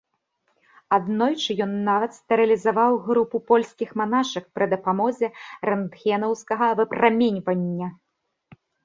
Аднойчы ён нават стэрылізаваў групу польскіх манашак пры дапамозе рэнтгенаўскага выпраменьвання.